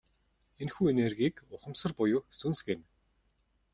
Энэхүү энергийг ухамсар буюу сүнс гэнэ.